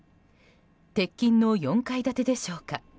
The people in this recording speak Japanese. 鉄筋の４階建てでしょうか。